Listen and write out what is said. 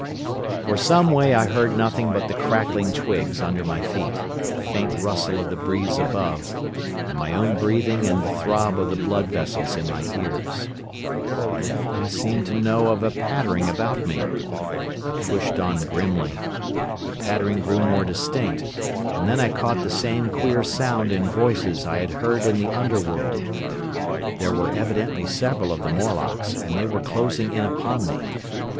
"For some way I heard nothing but the crackling twigs under my feet, the faint rustle of the breeze above, and my own breathing and the throb of the blood vessels in my ears. Then I seemed to know of a pattering behind me. I pushed on grimly. The pattering grew more distinct, and then I caught the same queer sound and voices I had heard in the Underworld. There were evidently several of the Morlocks, and they were closing in upon me.